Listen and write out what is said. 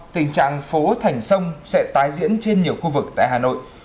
tình trạng phố thành sông sẽ tái diễn trên nhiều khu vực tại hà nội